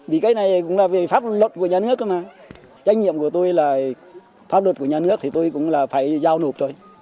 vì cái này cũng là về pháp luật của nhà nước mà trách nhiệm của tôi là pháp luật của nhà nước thì tôi cũng là phải giao nộp thôi